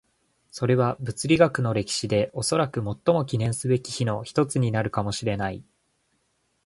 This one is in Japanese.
それは物理学の歴史でおそらく最も記念すべき日の一つになるかもしれない。